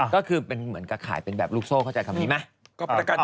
ก็คือเป็นเหมือนกับขายเป็นแบบลูกโซ่เข้าใจคำนี้ไหม